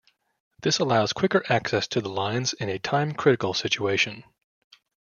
This allows quicker access to the lines in a time-critical situation.